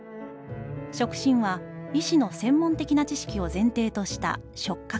触診は、医師の専門的な知識を前提とした触覚です」。